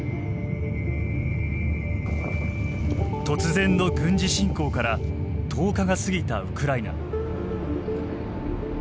突然の軍事侵攻から１０日が過ぎたウクライナ。